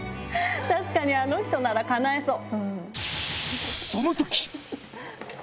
確かにあの人ならかなえそう。